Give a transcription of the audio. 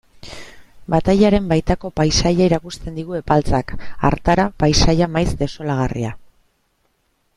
Batailaren baitako paisaia erakusten digu Epaltzak, hartara, paisaia maiz desolagarria.